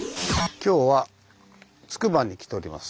今日はつくばに来ております。